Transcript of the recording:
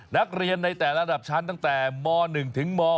นักเรียนในแต่ระดับชั้นตั้งแต่ม๑ถึงม